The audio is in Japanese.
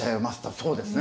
そうですね。